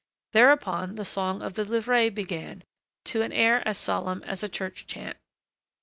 Thereupon, the song of the livrées began, to an air as solemn as a church chant.